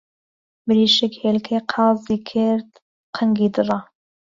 مریشک هێلکهی قازی کرد قنگی دڕا